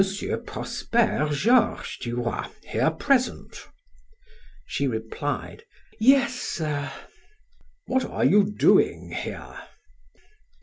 Prosper Georges du Roy, here present?" She replied: "Yes, sir." "What are you doing here?"